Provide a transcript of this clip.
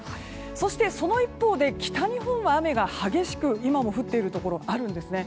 そして、その一方で北日本は雨が激しく今も降っているところがあるんですね。